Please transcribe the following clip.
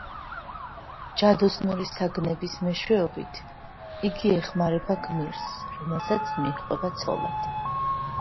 ჯადოსნური საგნების მეშვეობით იგი ეხმარება გმირს, რომელსაც მიჰყვება ცოლად.